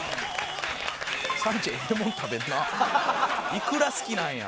いくら好きなんや。